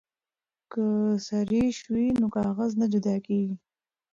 که سريښ وي نو کاغذ نه جدا کیږي.